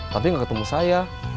tapi gak ketemu saya